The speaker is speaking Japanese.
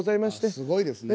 すごいですね。